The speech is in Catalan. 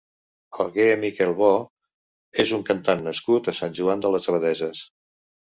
Alguer Miquel Bo és un cantant nascut a Sant Joan de les Abadesses.